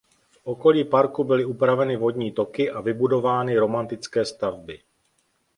V okolí parku byly upraveny vodní toky a vybudovány romantické stavby.